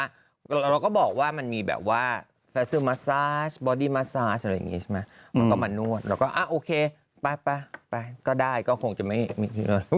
อะไรอย่างนี้ใช่ไหมมันก็มานวดแล้วก็อ่ะโอเคไปไปไปก็ได้ก็คงจะไม่มี